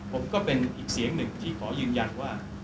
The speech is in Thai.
ผมก็เป็นอีกเสียงหนึ่งที่ขอยืนยันว่า